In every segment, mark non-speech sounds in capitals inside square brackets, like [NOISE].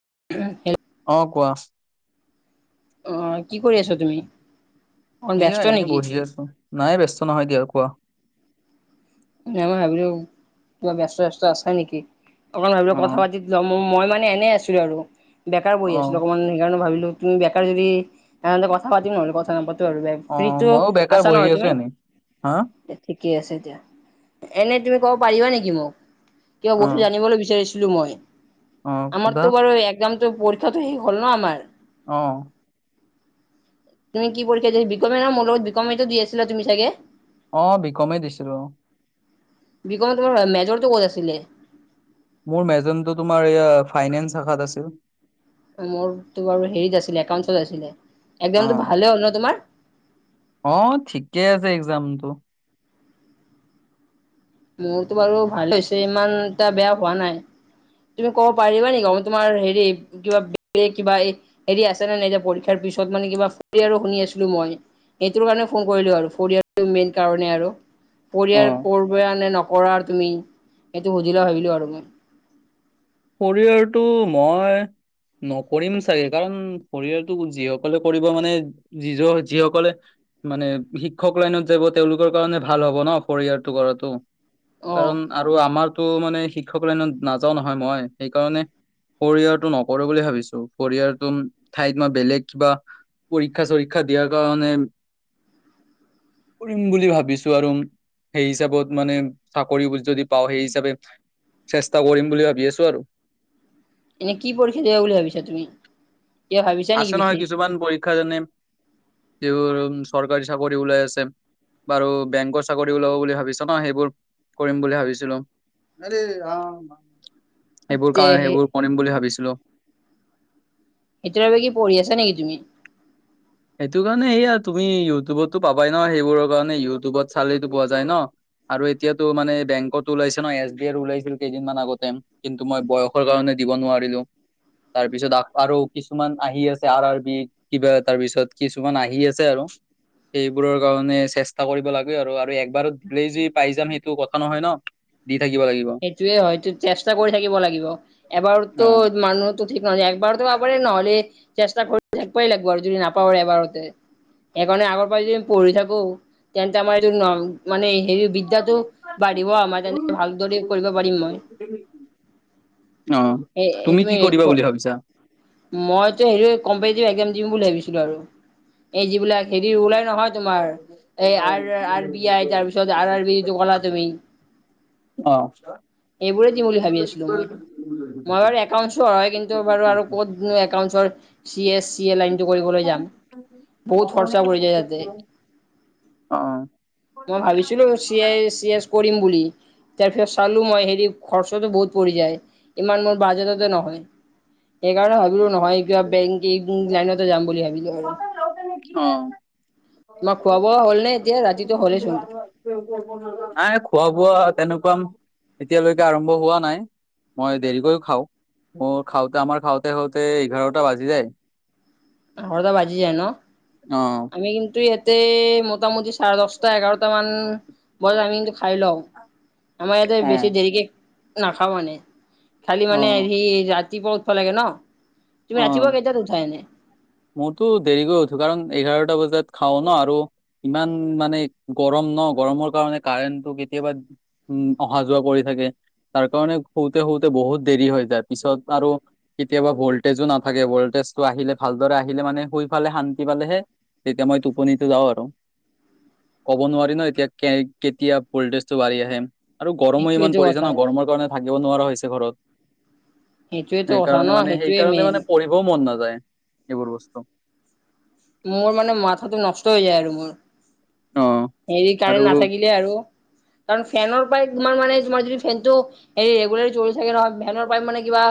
[UNINTELLIGIBLE] অ কোৱা অ' কি কৰি আছা তুমি? অকণ এয়া ব্যস্ত এনেই নেকি বহি আছো নাই ব্যস্ত নহয় দিয়া কোৱা মই ভাবিলো কিবা ব্যস্ত-স্যস্ত আচা নেকি অকমান ভাবিলো অ কথা পাতি লম। মই মানে এনেই আছিলো আৰু বেকাৰ বহ অ আছিলো অকনমান সেইকাৰণে ভাবিলো। তুমি বেকাৰ যদি তেনেতে কথা পাতিম নহ'লে কথা নাপাত। অ ফ্ৰীটো মইও বেকাৰ আছা বহি নহয় আছো তুমি এনেই হা থি ঠিক আছে এতিয়া এনেই তুমি ক'ব পাৰিবা নেকি মোক কিবা অ বস্তু জানিবলৈ বিচাৰিচো। মই অ সুধা আমাৰতো বাৰু একযামটো পৰীক্ষাটো শেষ হ'ল ন আমাৰ অ', তুমি কি পৰীক্ষা দি বিকমে না মোৰ লগত বিকমেটো দি আছিলা তুমি চাগে অ' বিকমে দিছিলো। বিকমত তোমাৰ মেজৰটো ক'ত আছিলে? মোৰ মেজনটো তোমাৰ এই আ ফাইনেন্স শাখাত আছিল। মোৰ ত বাৰু হেৰিত আছিলে একাউচত আছিলে অ এক্সামটো ভালে হ'ল ন তোমাৰ? অ' ঠিকে আছে এক্জামতটো মোৰতো বাৰু ভাল হৈছে ইমান এটা বেয়া হোৱা নাই। তুমি ক'ব পাৰিবা নেকি অ তোমাৰ হেৰি কিবা কিবা এই হেৰি আছে নে নাই এই যে পৰীক্ষাৰ পিছত মানে কিবা ফ আৰু শুনি আছিলো মই এইটোৰ কাৰণে ফোন কৰিলো আৰু ফৰিয়াল মেইন কাৰণে আৰু অ পৰিয়াল কৰা নে নকৰা তুমি সেইটো সুধিলা ভাবিলো আৰু মই। পৰিয়ালটো মই নকৰিম চাগে কাৰণ শৰয়ালটো যিসকলে কৰিব মানে যিজ যিসকলে মানে শিক্ষক লাইনত যাব তেওঁলোকৰ কাৰণে ভাল হ'ব ন কৰিযাৰটো কৰাটো। অ কাৰণ আৰু আমাৰতো মানে শিক্ষকৰত নাযাও নহয় মই সেইকাৰণে। পৰিৰিয়াৰটো নকৰো বুলি ভাবিছো পৰিৰিয়ালটো ঠাইত মই বেলেগ কিবা। পৰীক্ষা চৰীক্ষা দিয়াৰ কাৰণে। কৰিম বুলি ভাবিছো আৰু। সেই হিচাপত মানে চাকৰি যদি পাওঁ সেই হিচাপে চেষ্টা কৰিম বুলি ভাবি আছো আৰু। এনে কি পৰীক্ষা দিবা বুলি ভাবিছা তুমি। কিবা ভাবিছা নেকি আছে নহয় বিশেষ? কিছুমান পৰীক্ষাজনে। চৰকাৰী চাকৰি ওলাই আছে। বাৰু বেংকৰ চাকৰি ওলাব বুলি ভাবিছ ন সেইবোৰ কৰিম বুলি ভাবিছিলো। সেইবোৰ তে কাৰ সেইবোৰ কৰিম বুলি ভাবিছিলো। সেইটোয়ৰ বাবে কি পঢ়ি আছা নেকি তুমি। সেইটো কাৰণে সয়া তুমি ইউটিউবতটো পাবাই ন সেইবোৰৰ কাৰণে ইউটিউবত চালিটো পোৱা যায় ন। আৰু এতিয়াাতো মানে বেংকত ওলাইছে ন এছ বি আই ওলাইছিল কেইদিন মমান আগতে কিন্তু মই বয়সৰ কাৰণে, দিব নোৱাৰো তাৰপিছত আৰু কিছুমান আহি আছে আৰ বি কিবা। তাৰ পিছত কিছুমান আহি আছে আৰু। সেইবোৰৰ কাৰণে চেষ্টা কৰিব লাগে আৰু একবাৰো দিলেই য পাই যাম সেইটো কথা নহয় ন। থাকিব লাগিব সেইটোয়ে হয়তটো চেষ্টা কৰি থাকিব লাগিব এবাৰতো অ মানুহো। নহ একবাৰতো আবাৰে নহ'লে চেষ্টা কৰি থাকিবই লাগিব আৰু যদি নাপাবৰে এবাৰ। সেইকাৰণে আগৰ পৰা যদি আমি পঢ়ি থাকো তেন্তে আমাৰ এইটো ন মানে। হেৰি বিদ্যালয় বাঢ়িব আমাৰ তেনে ভালদৰে। কৰিব পাৰিম মই অ' এ তুমি কি কৰিবা সেইটো বুলি ভাবিছা। মইতো হেৰি কম্পটিভ একজাম দিম বুলি ভাবিছিলো আৰু এই যিবিলাক। হেৰি অ'। অ'। অ', ওলাই নহয় তোমাৰ এই আৰ নাই আৰ বি আই তাৰ পিছত আৰ আৰ বি যিটো কলা তুমি। অ', এইবোৰে দিম বুলি ভাবি আছিলো মই মই বাৰু এউট হয় কিন্তু বাৰু। ক'তনো একাউণ্টছৰ চি এছ। বত খৰচা য যতে। মই ভাবিছিলো চি এচ কৰিম বুলি। তাৰ পিছত চালো মই হেৰি খৰচো বহুত পৰি যায় ইমান মোৰ বাজেটতে নহয়। [INAUDIBLE] সেইকাৰণে ভাবিলো নহয় কিবা বেংক লাইনতে যাম বুলি ভাবিলো আৰু। নেকি। তোমাক খোৱা বোৱা হ'ল নে। এতিয়া ৰাতিটো হ'লেইচোন নাই খোৱা বোৱা তেনেকুৱাম এতিয়ালৈকে আৰম্ভ হোৱা নাই মই দেৰিকও খাও মোৰ খাওতে আমাৰ খাওতে - খাওতে এঘাৰটা বাজি যায়। ঘৰদা বাজি যায় ন অ'। আমি কিন্তু ইয়াতে মোটামুটি চাৰে দহটা এঘাৰটা মান বজাত আমি কিন্তু খাই লও। আমাৰ ইয়াতে অ', বেছি দেৰিকে নাখাও মানে খালি মানে সৰি ৰাতিপুৱা হব লাগে ন। তুমি অ, ৰাতিপুৱা কেইটাত উঠা এনে মইতো দেৰি গৈ উঠো কাৰণ এঘাৰটা বজাত। তাত খাও ন আৰু। ইমান মানে গৰম ন গৰমৰ কাৰণে কাৰেণ্টটো কেতিয়াবা উম, অহা যোৱা কৰি থাকে। তাৰ কাৰণে শতেতে বহুত দেৰি হয় য পিছত আৰু কেতিয়াবা ভ তেজো নাথাকে ভল্টেজটো আহিলে ভালদৰে আহিলে মানে শুই ফালে শান্তি পালেহে তেতিয়া মই টোপনিত যাও আৰু। ক'ব নোৱাৰি ন এতিয়া কেতিয়া ভোল্টেজটো বাঢ়ি আহে। আৰু গৰমো ইমান সেইটোৱেটো পৰিছে কথা ন গৰমৰ কাৰণে থাকিব নোৱাৰা হৈছে ঘৰত। সেইটয়েটো কথা ন সেইটোৱে সকাৰণে মেইন মানে পঢ়িবও মন নাযায় এইবোৰ বস্তু মোৰ মানে মাথাটো নষ্ট হৈ যায় আৰু মোৰ অ হেৰি কাৰেণ্ট আৰু নাথাকিলে আৰু কাৰণ ফেনৰ পৰাই তোমাৰ মানে তোমাৰ যদি ফেনটো হ লি থাকে নহয় ভেৰ পাইপ মানে কিবা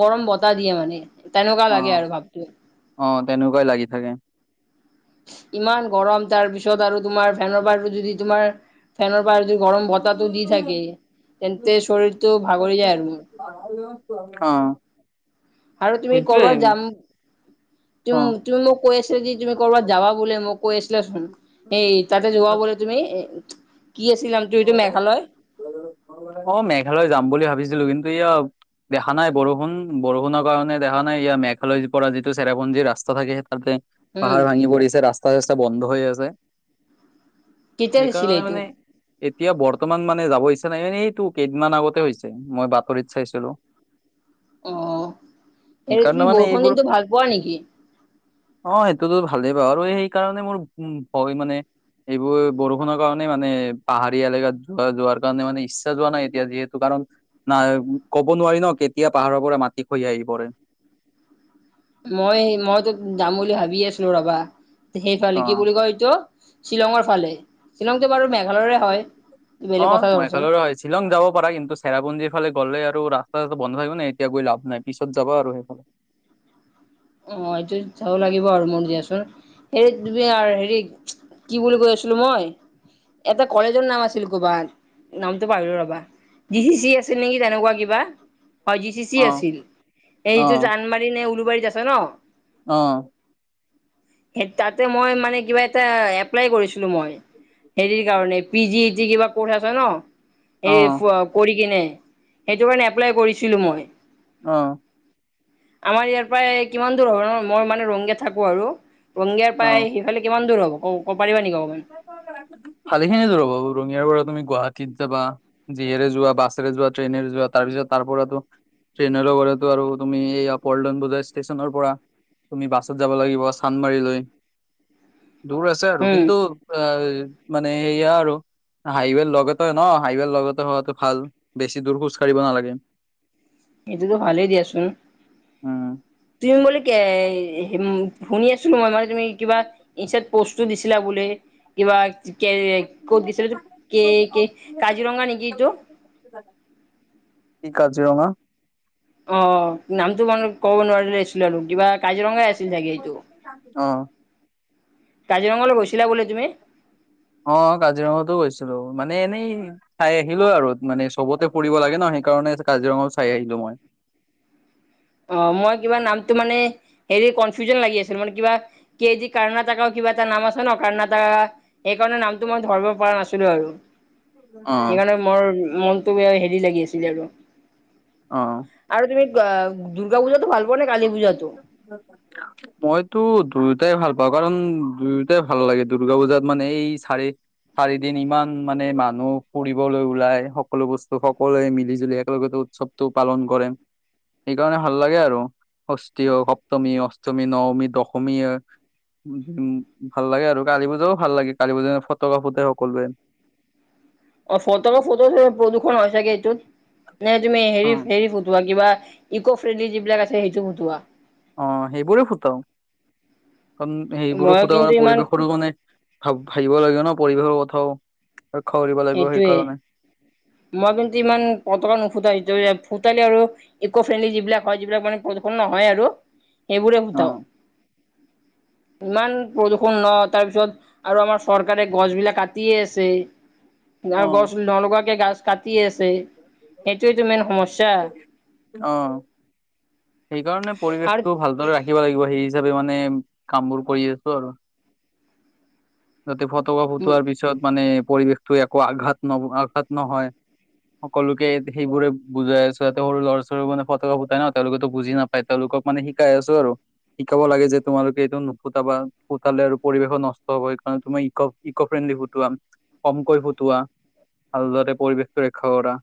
গৰম বতাহ দিয়ে মানে। তেনেকুৱা অ লাগে আৰু ভাবছো অ তেনেকুৱাই লাগি থাকে। ইমান গৰম তাৰ পিছত আৰু তোমাৰ ফেনৰ পৰাটো যদি তোমাৰ ফেনৰ যদি গৰম বতাহটো দি থাকে তেন্তে শৰীৰটো ভাগৰি যায় আৰু মোৰ অ', আৰু তুমি সেইটোৱেই কৰ'বাত যাম। অ তুম - তুমি মোক কৈ আছিলা যে তুমি কৰ'বাত যাবা বোলে মোক কৈ আছিলাচোন। সেই তাতে যোৱা বলে তুমি কি আছিল নামটো এইটো মেঘালয় অ, মেঘালয় যাম বুলি ভাবিছিলো কিন্তু এয়া দেখা নাই বৰষুণ বৰষুণৰ কাৰণে দেখা নাই ইয়াৰ মেঘালয় পৰা যিটো চেৰাপঞ্জী ৰাস্তা থাকে সেইটো তাতে পাহাৰ উম। ভাঙি পৰিছে ৰাস্তা চাষ্টা বন্ধ হৈ আছে। কেতিয়া দিছিলিলে সেইকাৰণে তো মানে এতিয়া বৰ্তমান মানে যাব ইচছা নাই এনেতো কেইদিনমান আগতে হৈছে মই বাতৰিত চাইছিলো। অ, স সেইকাৰণে তুমি মানে বৰষুণ এইবোৰ দিনটো ভাল পোৱা নেকি? অ, সেইটোতো ভালেই পা আৰু সেইকাৰণে মোৰ ভয় মানে এইবোৰ বৰষুণৰ কাৰণে মানে পাহাৰী এলেকাত যোৱা যোৱাৰ কাৰণে মানে ইচ্ছা যোৱা নাই এতিয়া যিহেতু কাৰণ না ক'ব নোৱাৰি ন। তেতিয়া পাহাৰৰ পৰা মাটি খহি আহি পৰে। মই মইতো যাম বুলি ভাবিয়ে আছিলো ৰবা সেইকাৰণে অ কি বুলি কয় এইটো শ্বিলংৰ ফালে শ্বিলংটো বাৰু মে অ, মইফালে শ্বিলং যাব পাৰা কিন্তু চেৰাপুঞ্জীৰ ফালে গ'লে আৰু ৰা ৰাস্তা চস্তা বন্ধ থাকিব নাই এতিয়া গৈ লাভ নাই পিছত যাবা আৰু সেইফালে অ, এইটো যাব লাগিব আৰু মোৰ দিয়াচোন। হেৰি তুমি আৰু হেৰি কি বুলি কৈ আছিলো মই এটা কলেজৰ নাম আছিল ক'বাত নামটো পাৰিলো ৰবা জি চি আ নেকি তেনেকুৱা কিবা হয়ি অ আছিল অ এইটো জানমাৰী নে উলবাৰীত আ ছে ন অ স তাতে মই মানে কিবা এটা এপ্লাই কৰিছিলো মই। হেৰিৰ কাৰণে পি জি দি যি কিবা কৰ্চ আছে অ নেৰি কৰি কিনে সেইটো কাৰণে এপ্লাই কৰিছিলো মই অ আমাৰ ইয়াৰ পৰাই কিমান দূৰ ধৰণৰ মই মানে ৰংকে থাকো আৰু। ৰংগিয়াৰ পৰাাই সিফালে কিমান দূৰ হ'ব ক। শালি খিনি জ ৰব ৰঙিয়াৰ পৰা তুমি। গুৱাহাটীত যাবা যিয়েৰে যোৱা বাছেৰে যোৱা ট্ৰেইনেৰে যোৱা তাৰ পিছত তাৰ পৰাতো ট্ৰেইনৰ লগতেটো আৰু তুমি এইয়া পল্টন বজাৰ ষ্টেচনৰ পৰা। তুমি বাছত যাব লাগিব চান্দমাৰি লৈ দূৰ আছে আৰু উম কিন্তু মানে সেয়া আৰু। হাইৱেৰ লগতে ন হাইৱেৰ লগতে হোৱাটো ভাল বেছি দূৰ খোজ কাঢ়িব নালাগে। সেইটোতো ভালেই দিয়াচোন উম তুমি বুলে কে শুনি আছো মই মানে তুমি কিবা ই প দিছিলা বোলে কিবা ক'ত দিছিলে কাজিৰঙা নেকি তটো কি কাজিৰঙা অ নামটো মানে ক'ব নোৱাৰিলে আছিলো কিবা কাজিৰঙাই আছিল চাগে এইটো। অ কাজিৰঙালৈ গৈছিলা বোলে তুমি। অ কাজিৰঙাতো গৈছিলো মানে এনেই চাই আহিলো আৰু মানে চবতে ফুৰিব লাগে ন। সেইেইকাৰণে কাজিৰঙা চাই আহিলো মই। অ' মই কিবা নামতটো মানে হেৰি কনফিউজন লাগি আছিল মানে কিবা কাৰণ কিবা এটা নাম আছে ন কাৰণ এটা সেইকাৰণে নামটো মই ধৰিব পৰা নাছিলো আৰু অ সেইকাৰণে মোৰ মনটো বে হেৰি লাগি আছিলে আৰু। অহ, আৰু তুমি দুৰ্গা পূজাতটো ভাল। পোৱা নে কালী পূজাতো? মইতো দুই দুটাই ভাল পাওঁ কাৰণ দুয়োটাই ভাল লাগে দুৰ্গা পূজাত মানে এই চাৰি। চাৰিদিন ইমান মানে মানুহ ফুৰিবলৈ ওলাই সকলো বস্তু সকলোৱে মিলি জুলি একেলগে উৎসৱটো পালন কৰে সেইকাৰণে ভাল লাগে আৰু। ষষ্ঠী, সপ্তমী, অষ্টমী, নৱমী, দশমী। উম, ভাল লাগে আৰু কালী পূজাও ভাল লাগে কালী পূজা ফটকাফোতে সকলোৱে [UNINTELLIGIBLE] অ' ফটো ফটকা ফুটোৱা প্ৰদূষণ হয় চাগে এইটোত ন তুমি অ হেৰি-হেৰি ফুটোৱা কিবা ইকো ফ্ৰেণ্ডলি যিবিলাক আছে সেইটো সোধোৱা। অ' সেইবোৰে ফুটাও কাৰণ সেইবোৰ মই ফুটাও কিন্তু কাৰণে ইমান পৰিৱেশৰো মানে ভাবো। ভাবিব লাগিব ন পৰিৱেশৰ কথাও। ৰক্ষা কৰিব লাগিব এইটোৱে সেইকাৰণে মই কিন্তু ইমান পতকা নুখোধা এইটো। সোলি আৰু ইকো ফ্ৰেণ্ডলি যিবিলাক হয় যিবিলাক মানে প্ৰদূষণ নহয় আৰু। সেইবোৰে অ ফুটাও। [INAUDIBLE] ইমান প্ৰদূষণ ন তাৰপিছত আৰু আমাৰ চৰকাৰে গছ বিলাক কাটয়ে আছে। অ আৰু গছ নলগোৱাকে গাছ কাটি আছে। সেইটোৱেইতো মেইন সমস্যা। অ সেইকাৰণে আৰু পৰিৱেশটো ভালদৰে ৰাখিব লাগিব সেই হিচাপে মানে কাম বোৰ কৰি আছো আৰু। যাতে ফটকা উম ফুটোৱাৰ পিছত মানে পৰিৱেশটো একো আঘাত ন আঘাত নহয়। সকলোকে সেইবোৰে বুজাই আছো ইহতে সৰু ল'ৰা ছোৱালও মানে ফটকা ফুটাই ন তেওঁলোকেতো বুজি নাপায় তেওঁলোকে। ক মানে শিকাই আছো আৰু। শিকাব লাগে যে তোমালোকে এইটো নুফুতাবা ফুটালে আৰু পৰিৱেশো নষ্ট হয়। তুমাৰ ইক ইক' ফ্ৰেণ্ডলি ফুটোৱা কমকৈ ফুটোৱা। আলতে পৰিৱেশটো ৰক্ষা কৰা।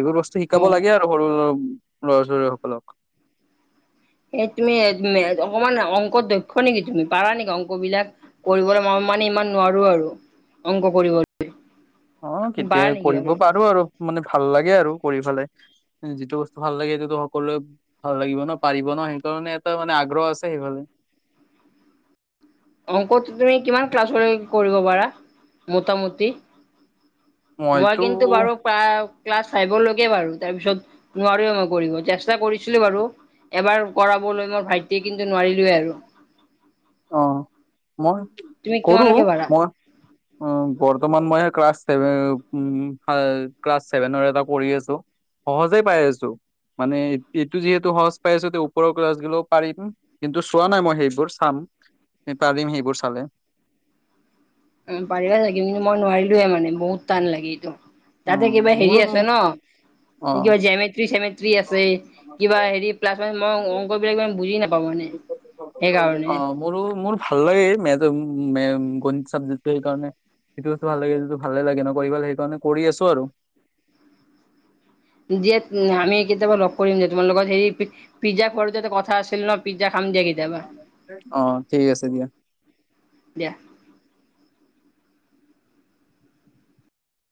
এইবোৰ বস্তু শিকাব অ লাগে আৰু সৰু ল'ৰা ছোৱালী সকলক। স তুমি উ অকমান অংক দক্ষ নেকি তুমি পাৰা নেকি অংক বিলাক কৰিবলৈ ম মানে ইমান নোৱাৰো আৰু অংক কৰিবলৈ। অ, কেতিয়া কৰিব পাৰো আৰু মানে ভাল লাগে আৰু। কৰি ফালে যিটো বস্তু ভাল লাগে সেইটো সকলোৱে ভাল লাগিব ন পাৰিব ন সেইকাৰণে এটা মানে আগ্ৰহ আছে সেইফালে। অংকটো তুমি কিমান ক্লাছলৈ কৰিব পাৰা মোটামুটি? মই মইতো কিন্তু বাৰু প্ৰায় ক্লাছ ফাইভৰ লকে বাৰু তাৰপিছত নোৱাৰো মই কৰিব চেষ্টা কৰিছিলো বাৰু। এবাৰ কৰাবলৈ মই ভাইটিয়ে কিন্তু নোৱাৰিলোৱে আৰু অ, মই তুমি কৰো কিমানলৈকে পাৰা মই অ বৰ্তমান মই ক্লাছভেন ক্লাছ চছেভেনৰ এটা কৰিঢ় আছো। সহজে পাই আছো। মানে এইটো যিহেতু সহজ পাই আছো ওপৰৰ কছ গিলও পাৰিম কিন্তু চোৱা নাই মই সেইবোৰ চাম পাবি নেকি সেইবোৰ চালে- উম পাৰিবা লাগিব কিন্তু মই নোৱাৰিলোয়ে মানে বহুত টান লাগে এইটো। অ তাতে কিবা হেৰি মোৰো আছে ন কিবা জেমেট্ৰি চেমেট আছে অ কিবা হেৰি প্লাছ মই অংক বিলাক ইমান বুজি নাপাওঁ মানে অ, সেইকাৰণে। মোৰো মোৰ ভাল লাগে গণিত চাবজেক্টো সেইকাৰণে সেইটো বস্তু ভাল লাগে যিটো ভালে লাগে নকৰি পালে সেইকাৰণে কৰি আছো আৰু। আমি কেতিয়াবা লগ কৰিম যে তোমাৰ লগত হেৰি পিজ্জা খোৱাৰতে কথা আছিল ন পিজ্জা খাম দিয়া কেতিয়াবা অ ঠিক আছে দিয়া দিয়া।